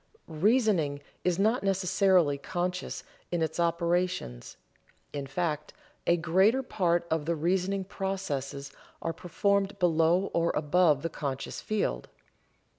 Reasoning is not necessarily conscious in its operations, in fact, a greater part of the reasoning processes are performed below or above the conscious field.